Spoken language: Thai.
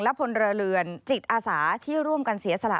พลเรือนจิตอาสาที่ร่วมกันเสียสละ